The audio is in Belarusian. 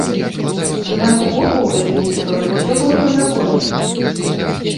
З майго боку ў гэтай гісторыі ўсё было па законе.